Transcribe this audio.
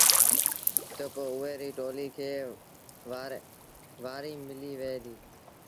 تا پو اُئي ريٚ ٽوليٚ کي وآريٚ ملي وهي ديٚ۔